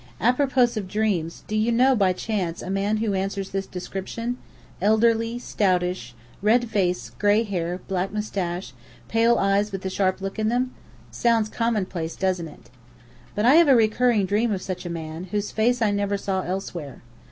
Apropos of dreams, do you know by chance a man who answers this description: elderly, stoutish, red face, gray hair, black moustache, pale eyes with sharp look in them. Sounds commonplace, doesn't it? But I have a recurring dream of such a man, whose face I never saw elsewhere.